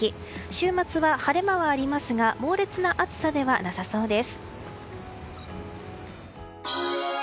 週末は晴れ間はありますが猛烈な暑さではなさそうです。